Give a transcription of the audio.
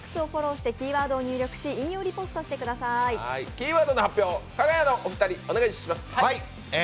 キーワードの発表、かが屋のお二人お願いします。